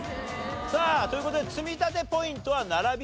さあという事で積み立てポイントは並びました。